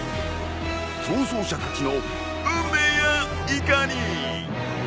逃走者たちの運命やいかに！